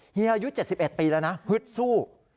เฮียอายุ๗๑ปีแล้วนะฮึดสู้